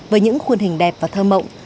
với những khuôn hình đẹp và thơ mộng